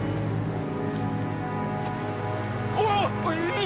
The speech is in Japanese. おい！